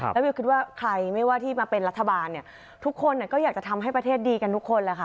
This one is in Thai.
แล้ววิวคิดว่าใครไม่ว่าที่มาเป็นรัฐบาลเนี่ยทุกคนก็อยากจะทำให้ประเทศดีกันทุกคนแหละค่ะ